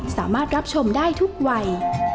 สามารถรับชมได้ทุกวัย